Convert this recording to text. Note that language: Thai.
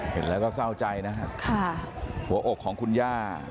เห็นแล้วก็เศร้าใจนะครับหัวอกของคุณย่า